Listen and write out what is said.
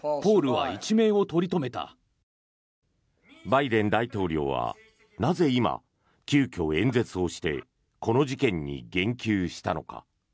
バイデン大統領はなぜ今、急きょ、演説をしてこの事件に言及したのか。